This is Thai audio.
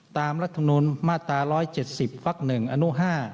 ตามรัฐนุนมาตร๑๗๐วัก๑อนุ๕